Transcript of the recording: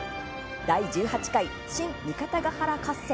第１８回「真・三方ヶ原合戦」